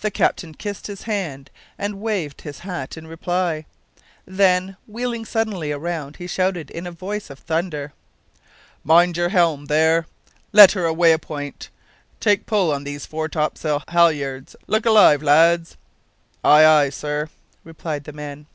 The captain kissed his hand and waved his hat in reply; then, wheeling suddenly round, he shouted, in a voice of thunder: "Mind your helm, there; let her away a point. Take a pull on these foretopsail halyards; look alive, lads!" "Aye, aye, sir!" replied the men.